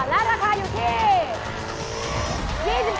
และราคาอยู่ที่